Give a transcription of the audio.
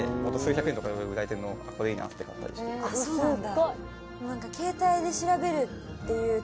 そうなんだ。